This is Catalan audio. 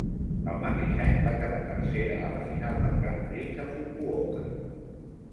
El mateix any va quedar tercera a la final del Grand Prix a Fukuoka.